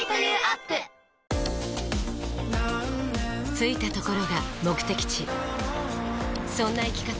着いたところが目的地そんな生き方